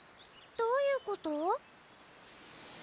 どういうこと？